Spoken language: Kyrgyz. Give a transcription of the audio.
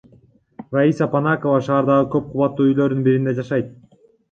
Раиса Понакова шаардагы көп кабаттуу үйлөрдүн биринде жашайт.